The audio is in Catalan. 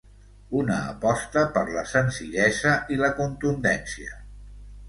Una aposta per la senzillesa i la contundència.